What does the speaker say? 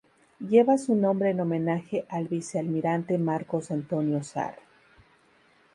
Lleva su nombre en homenaje al Vicealmirante Marcos Antonio Zar.